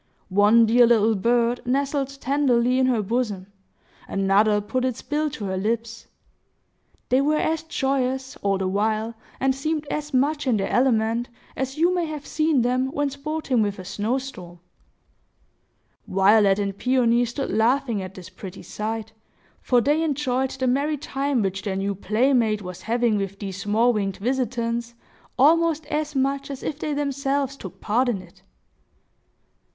One dear little bird nestled tenderly in her bosom; another put its bill to her lips. They were as joyous, all the while, and seemed as much in their element, as you may have seen them when sporting with a snow storm. Violet and Peony stood laughing at this pretty sight; for they enjoyed the merry time which their new playmate was having with these small winged visitants, almost as much as if they themselves took part in it.